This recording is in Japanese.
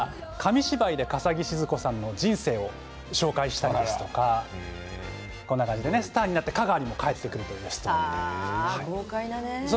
それから紙芝居で笠置シヅ子さんの人生を紹介したりですとかスターになって香川にも帰ってくるということです。